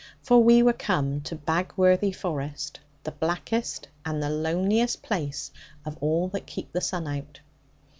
For we were come to Bagworthy forest, the blackest and the loneliest place of all that keep the sun out.